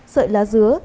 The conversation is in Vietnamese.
sợi lá dứa